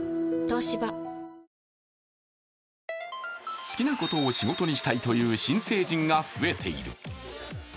東芝好きなことを仕事にしたいという新成人が増えている。